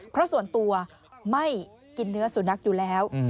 เพราะส่วนตัวไม่กินเนื้อสุนัขอยู่แล้ว